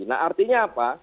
nah artinya apa